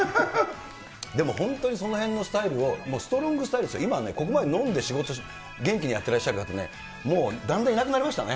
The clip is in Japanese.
でも本当に、そのへんのスタイルを、ストロングスタイルですよ、今ね、ここまで飲んで仕事、元気にやってらっしゃる方、もうだんだんいなくなりましたね。